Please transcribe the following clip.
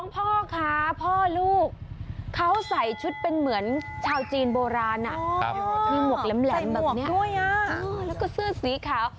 พ่อคะพ่อลูกเขาใส่ชุดเป็นเหมือนชาวจีนโบราณมีหมวกแหลมแบบนี้แล้วก็เสื้อสีขาว